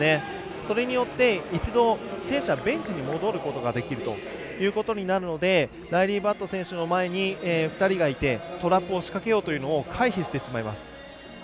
それによって、一度、選手はベンチに戻ることができるのでライリー・バット選手の前に２人がいてトラップを仕掛けようというのを回避してしまいます。